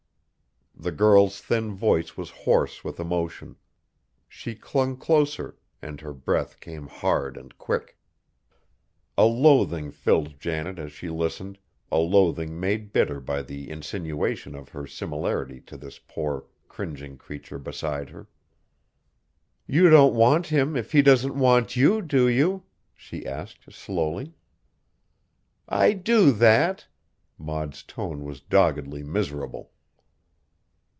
The girl's thin voice was hoarse with emotion. She clung closer, and her breath came hard and quick. A loathing filled Janet as she listened, a loathing made bitter by the insinuation of her similarity to this poor, cringing creature beside her. "You don't want him if he doesn't want you, do you?" she asked slowly. "I do that!" Maud's tone was doggedly miserable.